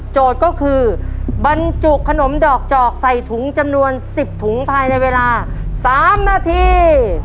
ก็คือบรรจุขนมดอกจอกใส่ถุงจำนวน๑๐ถุงภายในเวลา๓นาที